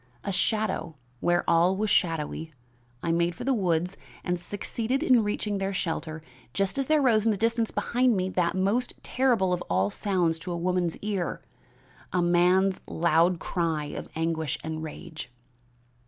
A shadow, where all was shadowy, I made for the woods and succeeded in reaching their shelter just as there rose in the distance behind me that most terrible of all sounds to a woman's ear, a man's loud cry of anguish and rage."